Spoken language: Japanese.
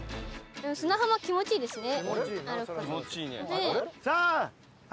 砂浜気持ちいいですね。